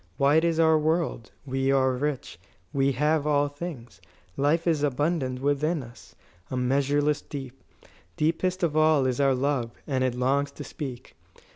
"Wide is our world; we are rich; we have all things. Life is abundant within us a measureless deep. Deepest of all is our love, and it longs to speak.